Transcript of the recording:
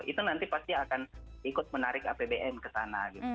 itu nanti pasti akan ikut menarik apbn ke sana